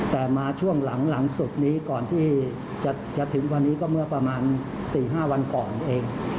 แต่มาช่วงหลังสุดนี้ก่อนที่จะถึงวันนี้ก็เมื่อประมาณ๔๕วันก่อนเอง